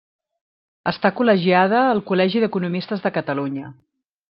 Està col·legiada al Col·legi d’Economistes de Catalunya.